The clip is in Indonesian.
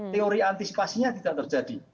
teori antisipasinya tidak terjadi